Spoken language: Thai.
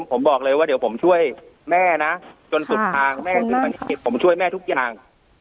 ผมบอกเลยว่าเดี๋ยวผมช่วยแม่นะจนสุดทางแม่ถึงตอนนี้ผมช่วยแม่ทุกอย่าง